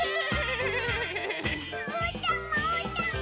うーたんもうーたんも！